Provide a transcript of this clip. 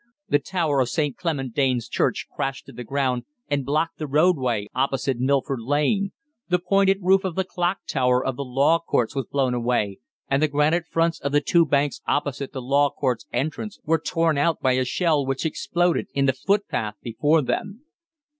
The tower of St. Clement Dane's Church crashed to the ground and blocked the roadway opposite Milford Lane; the pointed roof of the clock tower of the Law Courts was blown away, and the granite fronts of the two banks opposite the Law Courts entrance were torn out by a shell which exploded in the footpath before them.